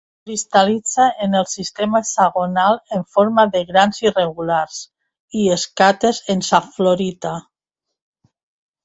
Cristal·litza en el sistema hexagonal en forma de grans irregulars i escates en safflorita.